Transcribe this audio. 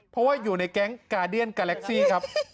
เพราะว่าอยู่ในแก๊งกาเดียนกาแล็กซี่ครับ